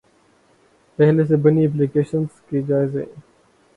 پہلے سے بنی ایپلی کیشنز کے جائزے